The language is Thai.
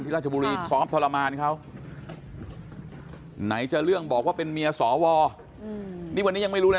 ราชบุรีซ้อมทรมานเขาไหนจะเรื่องบอกว่าเป็นเมียสวนี่วันนี้ยังไม่รู้เลย